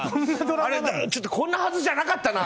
あれこんなはずじゃなかったな！